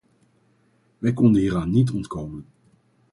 Wij konden hieraan niet ontkomen.